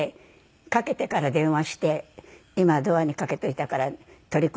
かけてから電話して「今ドアにかけておいたから取り込んでね」って言って。